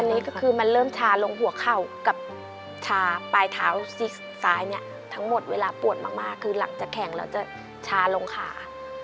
อันนี้ก็คือมันเริ่มชาลงหัวเข่ากับชาปลายเท้าซีกซ้ายเนี่ยทั้งหมดเวลาปวดมากคือหลังจากแข็งแล้วจะชาลงขา